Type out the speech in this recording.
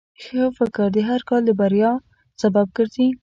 ښه فکر د هر کار د بریا سبب ګرځي.